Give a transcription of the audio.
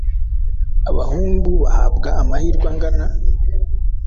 abahungu bahabwa amahirwe angana?